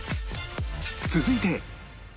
続いて